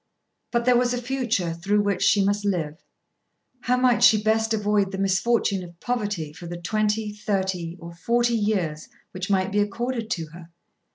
But there was a future through which she must live. How might she best avoid the misfortune of poverty for the twenty, thirty, or forty years which might be accorded to her?